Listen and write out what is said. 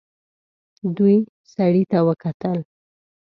دوی سړي ته وکتل.